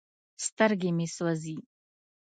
سترګې مې سوزي ـ